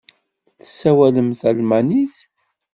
Tessawalem talmanit?